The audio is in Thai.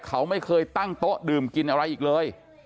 เขาไม่เคยตั้งโต๊ะดื่มกินอะไรอีกเลย